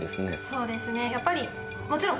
そうですねやっぱりもちろん。